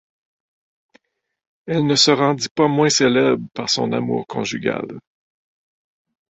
Elle ne se rendit pas moins célèbre par son amour conjugal.